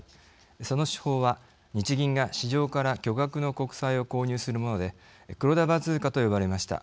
その手法は、日銀が市場から巨額の国債を購入するもので黒田バズーカと呼ばれました。